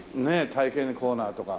体験コーナーとか。